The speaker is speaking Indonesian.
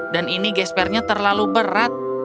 dan ini gespernya terlalu berat